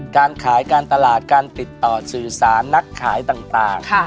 การขายการตลาดการติดต่อสื่อสารนักขายต่าง